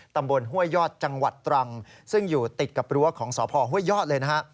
ห้วยยอดจังหวัดตรังซึ่งอยู่ติดกับรั้วของสพห้วยยอดเลยนะฮะ